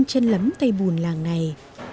chân lắm tay bùn làng này